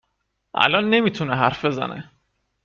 الان نمی تونه حرف بزنه